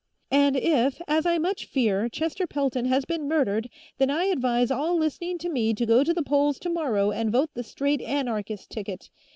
"... And if, as I much fear, Chester Pelton has been murdered, then I advise all listening to me to go to the polls tomorrow and vote the straight Anarchist ticket.